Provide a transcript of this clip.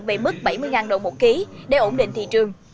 về mức bảy mươi đồng một ký để ổn định thị trường